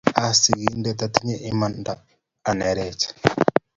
aii sikindet, atinye imaanda anerech